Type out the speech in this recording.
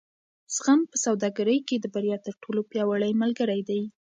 زغم په سوداګرۍ کې د بریا تر ټولو پیاوړی ملګری دی.